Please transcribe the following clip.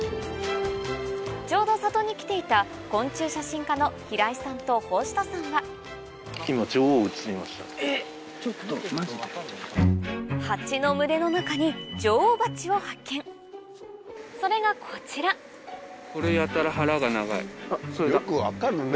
ちょうど里に来ていた昆虫写真家の平井さんと法師人さんは蜂の群れの中にそれがこちら・これやたら腹が長い・よく分かるね！